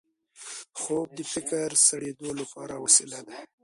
خوب د فکري سړېدو لپاره وسیله ده